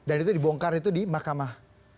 dan itu dibongkar itu di mahkamah